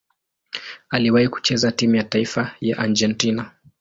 Aliwahi kucheza timu ya taifa ya Argentina.